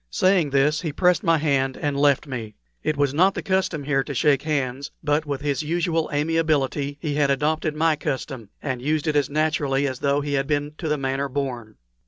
Saying this, he pressed my hand and left me. It was not the custom here to shake hands, but with his usual amiability he had adopted my custom, and used it as naturally as though he had been to the manner born.